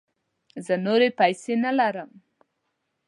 زه نوری پیسې نه لرم